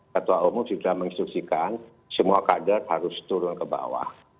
ketua umum sudah menginstruksikan semua kader harus turun ke bawah